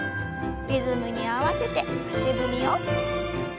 リズムに合わせて足踏みを。